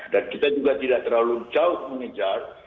dan kita juga tidak terlalu jauh mengejar